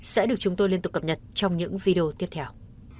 sẽ được chúng tôi liên tục cập nhật trong những video tiếp theo